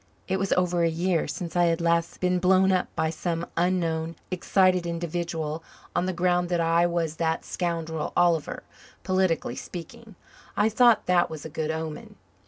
It was over a year since I had last been blown up by some unknown, excited individual on the ground that I was that scoundrel Oliver politically speaking. I thought that was a good omen.